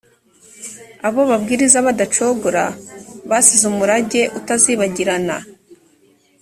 abo babwiriza badacogora basize umurage utazibagirana.